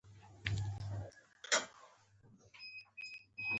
د سکون لپاره څه شی اړین دی؟